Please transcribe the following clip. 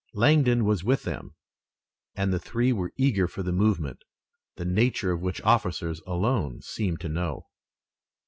Langdon was with them and the three were eager for the movement, the nature of which officers alone seemed to know.